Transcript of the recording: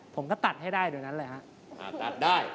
ผมก็ตัดให้ได้โดยนั้นเลยครับ